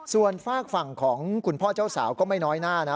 ส่วนฝากฝั่งของคุณพ่อเจ้าสาวก็ไม่น้อยหน้านะ